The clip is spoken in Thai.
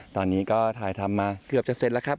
ตอนนี้ก็ถ่ายทำมาเกือบจะเสร็จแล้วครับ